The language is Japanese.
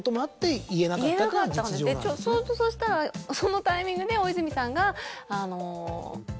言えなかったそうしたらそのタイミングで大泉さんが。